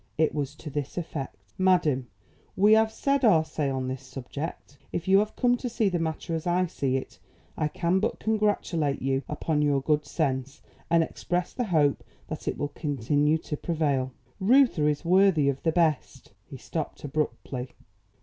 It was to this effect: "Madam, we have said our say on this subject. If you have come to see the matter as I see it, I can but congratulate you upon your good sense, and express the hope that it will continue to prevail. Reuther is worthy of the best " he stopped abruptly.